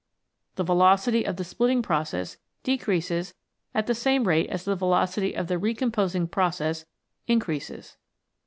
The velocity of the splitting process decreases at the same rate as the velocity of the recomposing process increases.